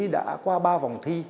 đã qua ba vòng thi